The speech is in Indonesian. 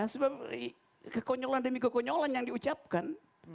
karena kekonyolan demi kekonyolan yang diucapkan